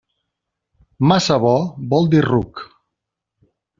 Massa bo, vol dir ruc.